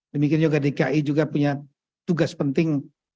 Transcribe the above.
demikian juga dki juga punya tugas penting